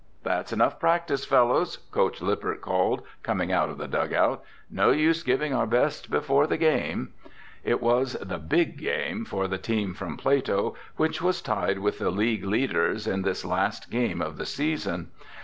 "That's enough practice, fellows!" Coach Lippert called, coming out of the dugout. "No use giving our best before the game!" It was the big game for the team from Plato, which was tied with the league leaders in this last game of the season.